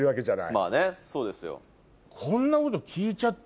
まぁねそうですよ。